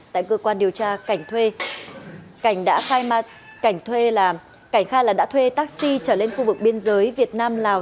tại cơ quan điều tra cảnh khai là đã thuê taxi trở lên khu vực biên giới việt nam lào